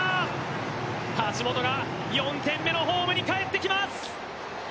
橋本が４点目のホームに帰ってきます。